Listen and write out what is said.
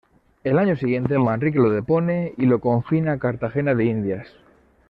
El año siguiente, Manrique lo depone y lo confina a Cartagena de Indias.